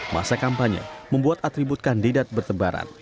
masa kampanye membuat atribut kandidat bertebaran